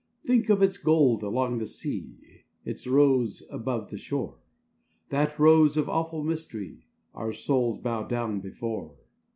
Think of its gold along the sea, Its rose above the shore! That rose of awful mystery, Our souls bow down before.